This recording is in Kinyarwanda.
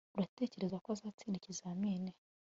Uratekereza ko azatsinda ikizamini